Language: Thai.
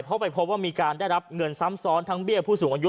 เพราะไปพบว่ามีการได้รับเงินซ้ำซ้อนทั้งเบี้ยผู้สูงอายุ